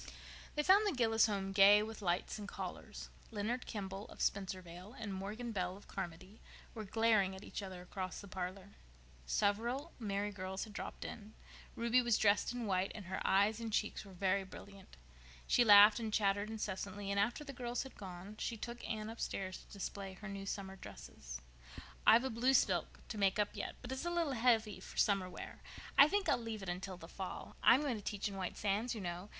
They found the Gillis home gay with lights and callers. Leonard Kimball, of Spencervale, and Morgan Bell, of Carmody, were glaring at each other across the parlor. Several merry girls had dropped in. Ruby was dressed in white and her eyes and cheeks were very brilliant. She laughed and chattered incessantly, and after the other girls had gone she took Anne upstairs to display her new summer dresses. "I've a blue silk to make up yet, but it's a little heavy for summer wear. I think I'll leave it until the fall. I'm going to teach in White Sands, you know.